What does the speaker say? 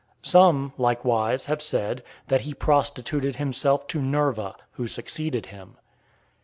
Some, likewise, have said, that he prostituted himself to Nerva, who succeeded him.